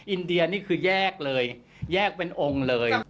อินเดียนี่คือแยกเลยแยกเป็นองค์เลย